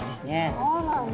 そうなんだ。